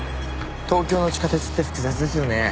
東京の地下鉄って複雑ですよね。